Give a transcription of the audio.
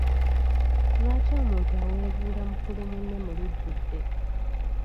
Lwaki omuntu awebuula mukulu munne mu lujjudde.